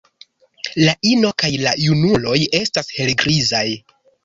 La ino kaj la junuloj estas helgrizaj.